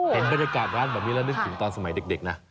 เห็นบรรยากาศร้านแบบนี้แล้วนึกถึงตอนสมัยเด็กนะ